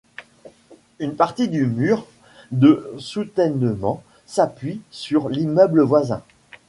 Une partie du mur de soutènement s'appuie sur l'immeuble voisin.